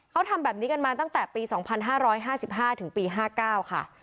เขาทำแบบนี้กันมาตั้งแต่ปี๒๕๕๕ถึงปี๕๙ค่ะ